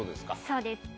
そうです。